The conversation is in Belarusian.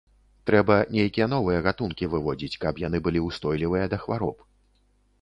Трэба нейкія новыя гатункі выводзіць, каб яны былі ўстойлівыя да хвароб.